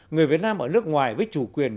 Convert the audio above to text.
người việt nam ở nước ngoài với chủ quyền